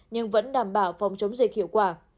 nhưng vẫn đảm bảo phòng chống dịch hiệu quả